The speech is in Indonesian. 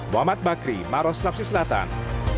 mohamad bakri maros rapsi selatan